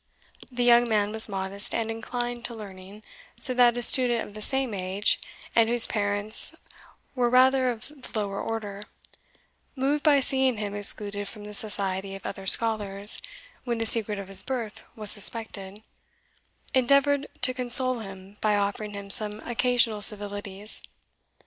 The young man was modest and inclined to learning, so that a student of the same age, and whose parents where rather of the lower order, moved by seeing him excluded from the society of other scholars when the secret of his birth was suspected, endeavoured to console him by offering him some occasional civilities.